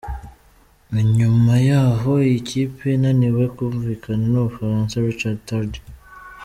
Ni nyuma y’aho iyi kipe inaniwe kumvikana n’Umufaransa Richard Tardy.